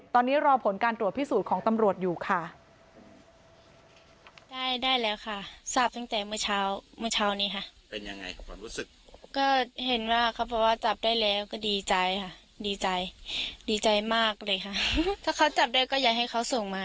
ตอนนี้รอผลการตรวจพิสูจน์ของตำรวจอยู่ค่ะ